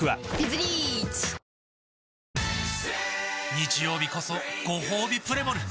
日曜日こそごほうびプレモル！